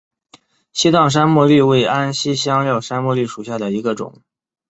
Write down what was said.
西藏山茉莉为安息香科山茉莉属下的一个种。